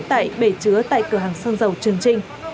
tại bể chứa tại cửa hàng xăng dầu trường trinh